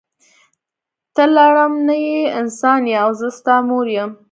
ته لړم نه یی انسان یی او زه ستا مور یم.